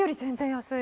安い。